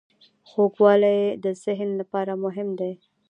خوږوالی د ذهن لپاره هم مهم دی.